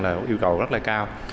là yêu cầu rất là cao